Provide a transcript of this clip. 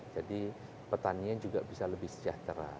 jadi petani yang juga bisa lebih sejahtera